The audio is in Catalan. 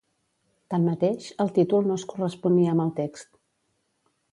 Tanmateix, el títol no es corresponia amb el text.